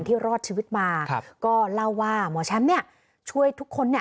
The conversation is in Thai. รอดชีวิตมาครับก็เล่าว่าหมอแชมป์เนี่ยช่วยทุกคนเนี่ย